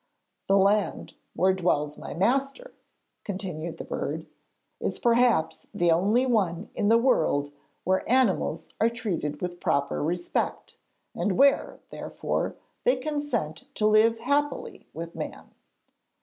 'The land where dwells my master,' continued the bird, 'is perhaps the only one in the world where animals are treated with proper respect, and where, therefore, they consent to live happily with man.'